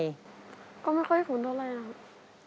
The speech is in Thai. ก็ไม่ค่อยคุ้นอะไรนะครับ